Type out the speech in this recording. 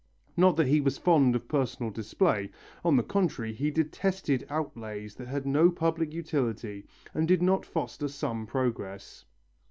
Not that he was fond of personal display, on the contrary he detested outlays that had no public utility or did not foster some progress.